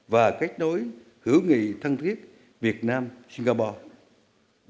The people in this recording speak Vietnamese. và kết nối hữu nghị thân thiết việt nam singapore